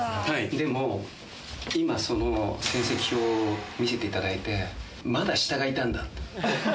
でも、今、その成績表、見せていただいて、まだ下がいたんだと。